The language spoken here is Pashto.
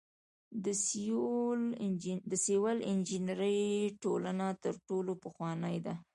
د سیول انجنیری ټولنه تر ټولو پخوانۍ ده.